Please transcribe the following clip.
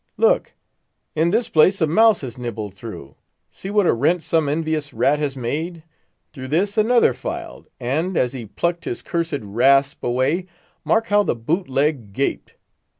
Look! in this place a mouse has nibbled through; see what a rent some envious rat has made, through this another filed, and, as he plucked his cursed rasp away, mark how the bootleg gaped.